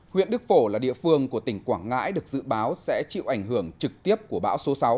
huyện đức phổ là địa phương của tỉnh quảng ngãi được dự báo sẽ chịu ảnh hưởng trực tiếp của bão số sáu